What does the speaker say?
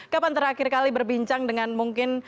kapan terakhir kali berbincang dengan mungkin